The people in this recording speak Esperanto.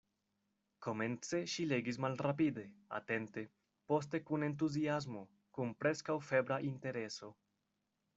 Komence ŝi legis malrapide, atente, poste kun entuziasmo, kun preskaŭ febra intereso.